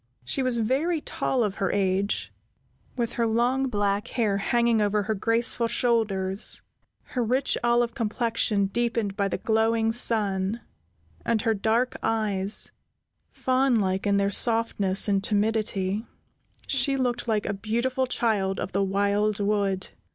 She was very tall of her age, with her long black hair hanging over her graceful shoulders, her rich olive complexion deepened by the glowing sun, and her dark eyes, fawn like in their softness and timidity, she looked like a beautiful child of the wild wood.